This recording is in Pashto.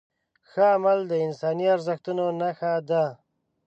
ښه عمل د انساني ارزښتونو نښه ده.